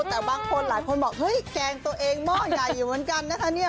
แต่บางคนหลายคนบอกเฮ้ยแกงตัวเองหม้อใหญ่อยู่เหมือนกันนะคะเนี่ย